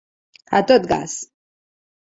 A tot gas.